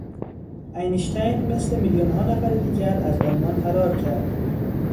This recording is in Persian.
اینشتین مثل میلیونها نفر دیگر، از آلمان فرار کرد.